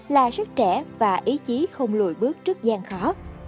là rất trẻ và ý chí không lùi bước trước gian khó